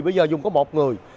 bây giờ dùng có một người